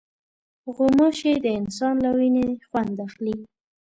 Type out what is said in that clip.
غوماشې د انسان له وینې خوند اخلي.